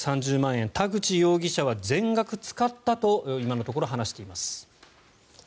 円田口容疑者は全額使ったと今のところ話しています。